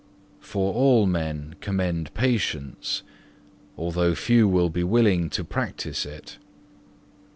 For all men commend patience, although few be willing to practise it.